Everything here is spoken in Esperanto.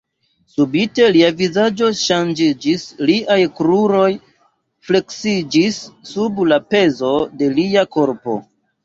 Subite lia vizaĝo ŝanĝiĝis; liaj kruroj fleksiĝis sub la pezo de lia korpo.